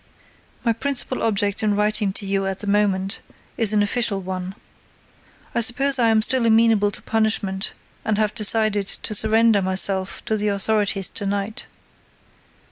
"My principal object in writing to you at the moment is an official one. I suppose I am still amenable to punishment and I have decided to surrender myself to the authorities to night.